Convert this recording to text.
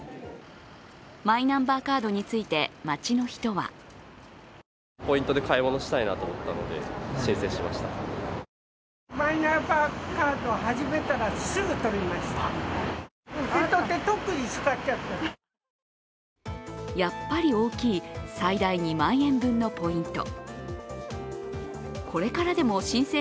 マイナンバーカードについて街の人はやっぱり大きい最大２万円分のポイント。